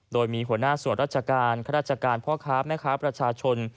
โดยมีหัวหน้าส่วนราชการข้าราชการพ่อค้าแม่ค้าประชาชน